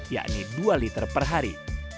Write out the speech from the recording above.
yakni dua liter per hari